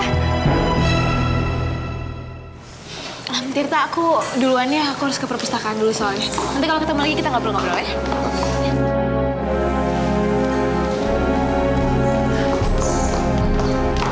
hampir tak aku duluannya aku harus ke perpustakaan dulu soalnya nanti kalau ketemu lagi kita nggak perlu ngobrol ya